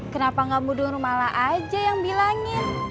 kenapa gak mudur malah aja yang bilangin